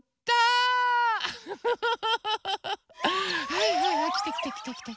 はいはいきてきて。